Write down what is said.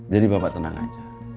jadi bapak tenang aja